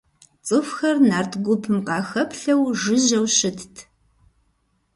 ЦӀыхухэр нарт гупым къахэплъэу жыжьэу щытт.